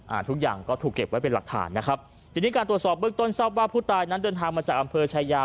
ทุกอย่างก็ถูกเก็บไว้เป็นหลักฐานนะครับทีนี้การตรวจสอบเบื้องต้นทราบว่าผู้ตายนั้นเดินทางมาจากอำเภอชายา